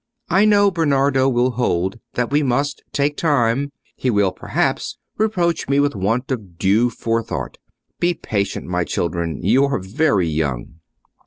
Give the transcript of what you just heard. I know Bernardo will hold that we must take time: he will, perhaps, reproach me with want of due forethought. Be patient, my children: you are very young."